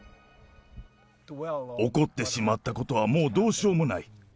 起こってしまったことはもうどうしようもない。